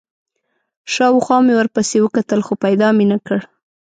شاوخوا مې ورپسې وکتل، خو پیدا مې نه کړ.